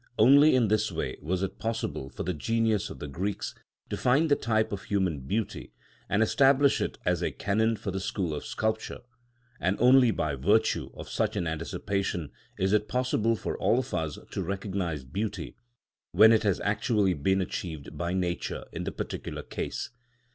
Only in this way was it possible for the genius of the Greeks to find the type of human beauty and establish it as a canon for the school of sculpture; and only by virtue of such an anticipation is it possible for all of us to recognise beauty, when it has actually been achieved by nature in the particular case.